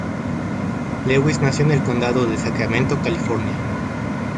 Lewis nació en el Condado de Sacramento, California.